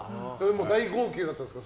大号泣だったんですか